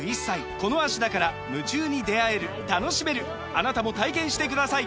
あなたも体験してください！